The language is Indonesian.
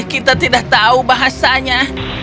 kita tidak tahu bahasanya